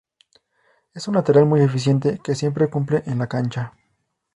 Es un lateral muy eficiente, que siempre cumple en la cancha.